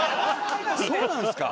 そうなんですか？